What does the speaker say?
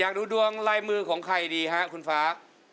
อยากดูดวงลายมือของใครดีครับคุณฟ้า